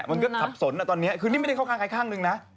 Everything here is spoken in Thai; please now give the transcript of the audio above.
มันก็สับสนตอนนี้คือนี่ไม่ได้เข้าข้างใครข้างนึงนะ